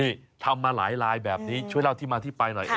นี่ทำมาหลายลายแบบนี้ช่วยเล่าที่มาที่ไปหน่อย